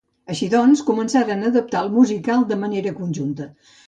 Així doncs, començaren a adaptar el musical de manera conjunta.